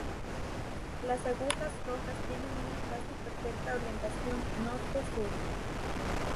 Las Agujas Rojas tienen una casi perfecta orientación norte-sur.